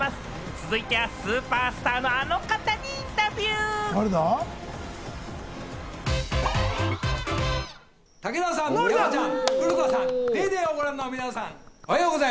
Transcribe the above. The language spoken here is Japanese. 続いては、スーパースターのあの方にインタビュー。からのＤです。